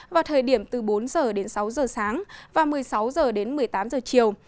vào thời điểm từ bốn giờ đến sáu giờ sáng và một mươi sáu h đến một mươi tám giờ chiều